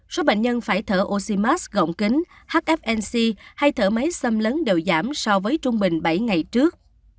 số bệnh nhân phải thở oxymars gọng kính hfnc hay thở máy xâm lấn đều giảm so với trung bình bảy ngày trước